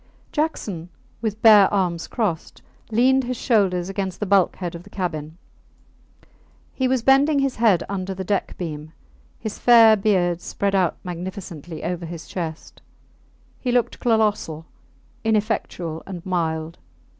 Jackson, with bare arms crossed, leaned his shoulders against the bulkhead of the cabin. He was bending his head under the deck beam; his fair beard spread out magnificently over his chest; he looked colossal, ineffectual, and mild.